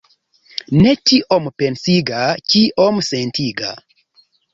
Ne tiom pensiga, kiom sentiga.